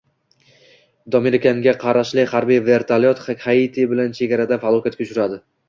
Dominikanaga qarashli harbiy vertolyot Haiti bilan chegarada falokatga uchradi